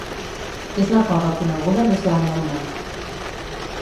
És la cova coneguda més gran del món.